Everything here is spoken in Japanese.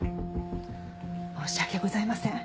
申し訳ございません。